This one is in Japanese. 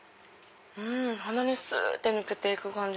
鼻にすって抜けて行く感じ。